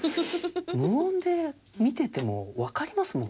無音で見ててもわかりますもんね。